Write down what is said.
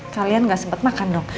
kalian gak sempet makan dong